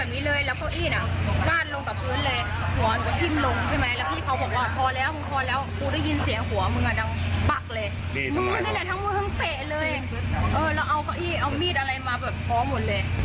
นั่งแบบนี้เลยแล้วก้ออี้น่ะสั้นลงกับพื้นเลย